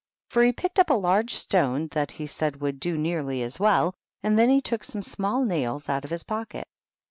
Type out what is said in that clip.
For he picked up a large stone, that he said would do nearly as well, and then he took some small nails out of his pocket.